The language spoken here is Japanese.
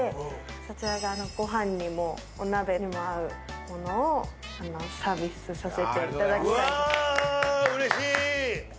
そちらがご飯にもお鍋にも合うものをサービスさせていただきたいと思います。